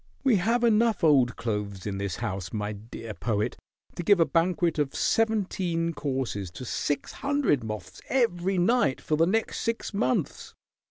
"We have enough old clothes in this house, my dear Poet, to give a banquet of seventeen courses to six hundred moths every night for the next six months.